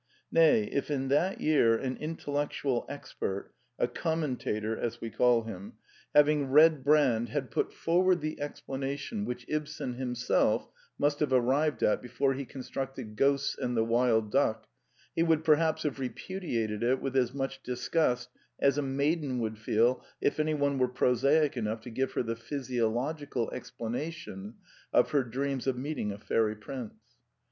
Nay, if in that year an intellectual expert — a commentator, as we call him — having read The Plays 63 Brand, had put forward the explanation which Ibsen himself must have arrived at before he con structed Ghosts and The Wild Duck, he would perhaps have repudiated it with as much disgust as a maiden would feel if anyone were prosaic enough to give her the physiological explanation of her dreams of meeting a fairy prince.